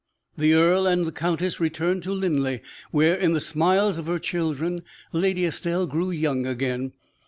The earl and the countess returned to Linleigh, where, in the smiles of her children, Lady Estelle grew young again.